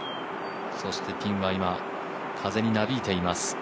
そしてピンは今、風になびいています。